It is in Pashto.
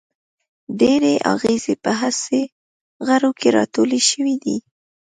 ډیری آخذې په حسي غړو کې راټولې شوي دي.